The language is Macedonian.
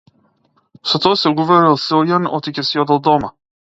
Со тоа се уверил Силјан оти ќе си одел дома.